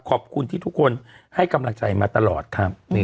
ขอบคุณที่ทุกคนให้กำลังใจมาตลอดครับ